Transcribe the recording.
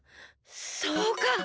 そうか！